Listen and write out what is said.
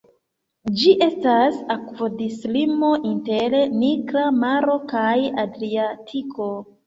Ĝi estas akvodislimo inter Nigra Maro kaj Adriatiko.